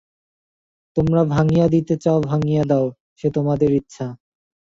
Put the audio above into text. তোমরা ভাঙিয়া দিতে চাও ভাঙিয়া দাও–সে তোমাদের ইচ্ছা।